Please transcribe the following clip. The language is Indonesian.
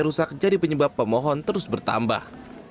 rusak jadi penyebab pemohon terus bertambah